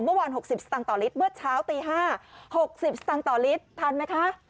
เมื่อวาน๖๐สตางค์ต่อลิตรเมื่อเช้าตี๕๖๐สตางค์ต่อลิตรทันไหมคะ